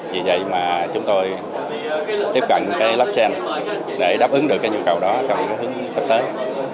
vì vậy mà chúng tôi tiếp cận cái blockchain để đáp ứng được cái nhu cầu đó trong hướng sắp tới